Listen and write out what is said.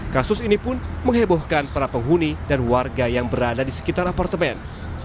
kasus ini pun menghebohkan para penghuni dan warga yang berada di sekitar apartemen